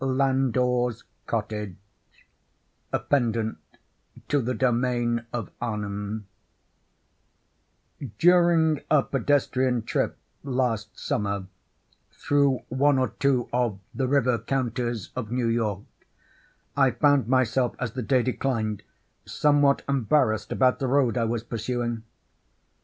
LANDOR'S COTTAGE A Pendant to "The Domain of Arnheim" During A pedestrian trip last summer, through one or two of the river counties of New York, I found myself, as the day declined, somewhat embarrassed about the road I was pursuing.